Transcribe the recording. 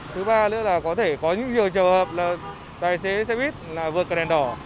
thứ ba nữa là có thể có những nhiều trường hợp là tài xế xe buýt là vượt cả đèn đỏ